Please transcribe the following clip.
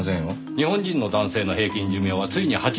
日本人の男性の平均寿命はついに８０を超えました。